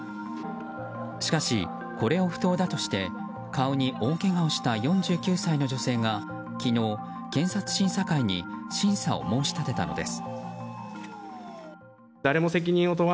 しかし、これを不当だとして顔に大けがをした４９歳の女性が昨日、検察審査会に審査を申し立てたのです。